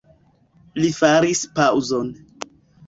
Li faris paŭzon.